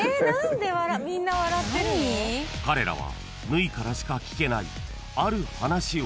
［彼らは］